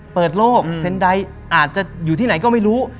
เปิดโลกเซ็นไดอาจจะอยู่ที่ไหนก็ไม่รู้